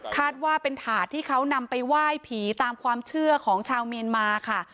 คาดว่าเป็นถาดที่เขานำไปไหว้ผีตามความเชื่อของชาวเมียนมาค่ะ